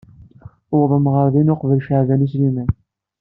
Tuwḍemt ɣer din uqbel Caɛban U Sliman.